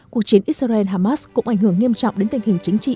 cuộc chiến israel hamas cũng ảnh hưởng nghiêm trọng đến tình hình chính trị